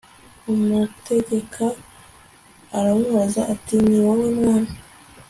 umutegeka aramubaza ati ni wowe mwami